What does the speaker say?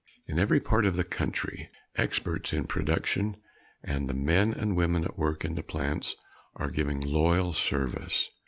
In every part of the country, experts in production and the men and women at work in the plants are giving loyal service.